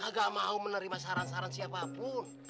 agak mau menerima saran saran siapapun